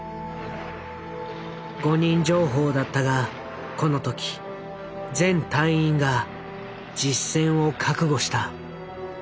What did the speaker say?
誤認情報だったがこの時全隊員が実戦を覚悟した。